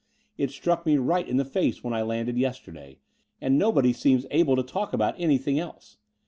It struck me right in the face when I landed yesterday ; and nobody seems able to talk about anything else.